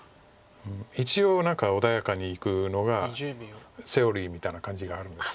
一応何か穏やかにいくのがセオリーみたいな感じがあるんです。